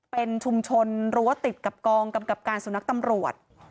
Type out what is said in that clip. เป็นชุมชนรั้วติดกับกองกำกับการสุนัขตำรวจ